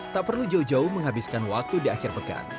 tak perlu jauh jauh menghabiskan waktu di akhir pekan